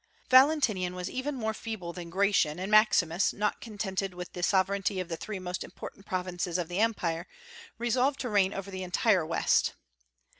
Valentinian was even more feeble than Gratian, and Maximus, not contented with the sovereignty of the three most important provinces of the Empire, resolved to reign over the entire West.